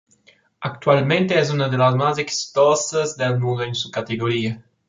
Actualmente es una de las más exitosas del mundo en su categoría.